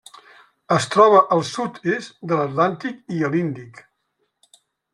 Es troba al sud-est de l'Atlàntic i a l'Índic.